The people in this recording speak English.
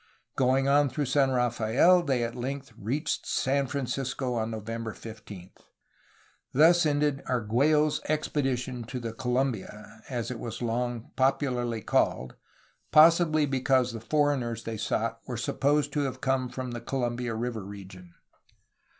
Going on through San Rafael they at length reached San Francisco on Novem ber 15. Thus ended "Argliello's expedition to the Colum bia,'' as it was long popularly called, possibly because the foreigners they sought were supposed to have come from the Columbia River region.